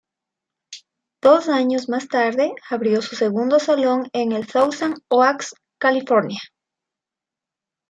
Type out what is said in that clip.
Dos años más tarde abrió su segundo salón en el Thousand Oaks, California.